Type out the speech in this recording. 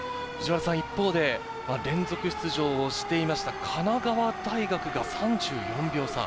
一方で連続出場をしていました神奈川大学が３４秒差。